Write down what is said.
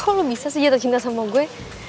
kok lo bisa sih zat tercinta sama gue